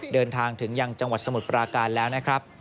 เดินทางถึงยังจังหวัดสมุทรปราการแล้วนะครับ